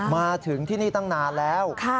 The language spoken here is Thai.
มาถึงที่นี่ตั้งนานแล้ว